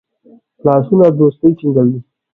لاسونه دوستی ټینګوي